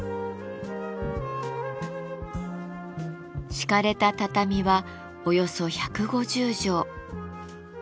敷かれた畳はおよそ１５０畳。